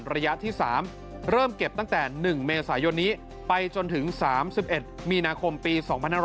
ระยะที่๓เริ่มเก็บตั้งแต่๑เมษายนนี้ไปจนถึง๓๑มีนาคมปี๒๕๖๐